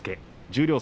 十両